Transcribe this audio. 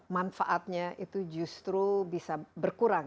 manfaatnya itu justru bisa berkurang